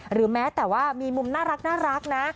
แม้แต่ว่ามีมุมน่ารักนะ